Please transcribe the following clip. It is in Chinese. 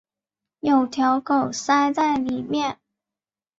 有条狗塞在里面